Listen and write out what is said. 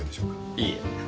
いえ。